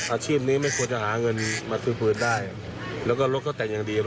อาชีพนี้ไม่ควรจะหาเงินมาคืนได้แล้วก็รถก็แต่งอย่างดี